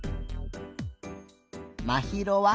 まひろは？